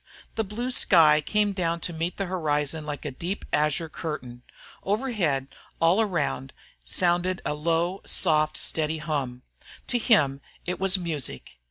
The blue sky came down to meet the horizon like a deep azure curtain. Overhead, all around, sounded a low, soft, steady hum. To him it was music.